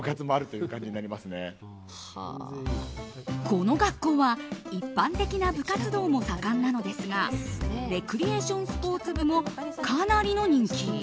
この学校は一般的な部活動も盛んなのですがレクリエーションスポーツ部もかなりの人気。